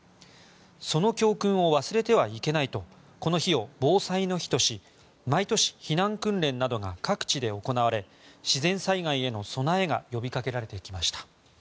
その教訓を忘れてはいけないとこの日を防災の日とし毎年、避難訓練などが各地で行われ自然災害への備えが呼びかけられてきました。